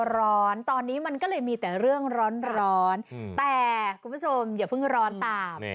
ร้อนตอนนี้มันก็เลยมีแต่เรื่องร้อนแต่คุณผู้ชมอย่าเพิ่งร้อนตาม